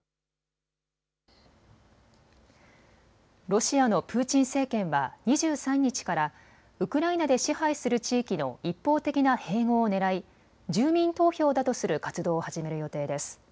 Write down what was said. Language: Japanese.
ロシアのプーチン政権は２３日からウクライナで支配する地域の一方的な併合をねらい住民投票だとする活動を始める予定です。